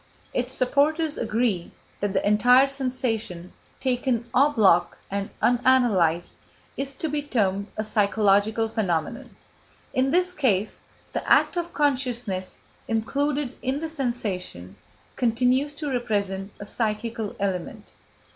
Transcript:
Its supporters agree that the entire sensation, taken en bloc and unanalysed, is to be termed a psychological phenomenon. In this case, the act of consciousness, included in the sensation, continues to represent a psychical element.